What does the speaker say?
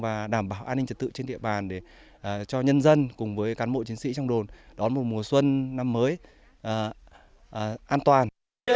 an ninh trật tự trên địa bàn để cho nhân dân cùng với cán bộ chiến sĩ trong đồn đón một mùa xuân năm mới an toàn